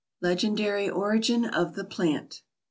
LEGENDARY ORIGIN OF THE PLANT.